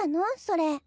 それ。